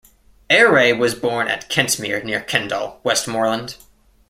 Airay was born at Kentmere, near Kendal, Westmorland.